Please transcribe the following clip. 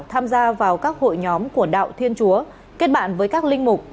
tham gia vào các hội nhóm của đạo thiên chúa kết bạn với các linh mục